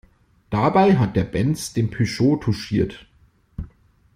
Dabei hat der Benz den Peugeot touchiert.